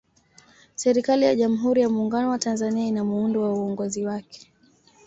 serikali ya jamhuri ya muungano wa tanzania ina muundo wa uongozi wake